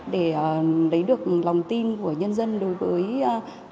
để lấy được lòng tin của nhân dân đối với hình ảnh của chiến sĩ công an